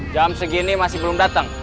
jam segini masih belum datang